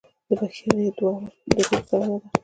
د بښنې دعا د روح ساه ده.